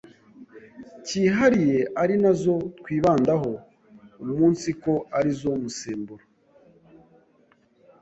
kihariye ari nazo twibandaho umunsiko arizo musemburo